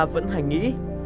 vẫn hay nghĩ